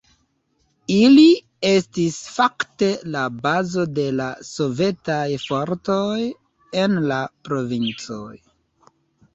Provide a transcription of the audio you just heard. Ili estis fakte la bazo de la sovetaj fortoj en la provincoj.